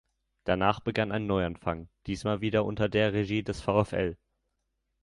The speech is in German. Danach begann ein Neuanfang, diesmal wieder unter der Regie des VfL.